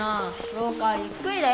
ろう下はゆっくりだよ。